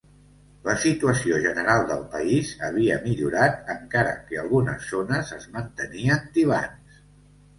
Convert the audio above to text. La situació general del país havia millorat encara que algunes zones es mantenien tibants.